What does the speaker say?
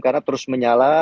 karena terus menyala